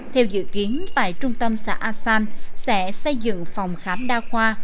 theo dự kiến tại trung tâm xã asan sẽ xây dựng phòng khám đa khoa